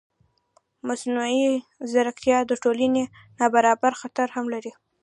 مصنوعي ځیرکتیا د ټولنیز نابرابرۍ خطر هم لري.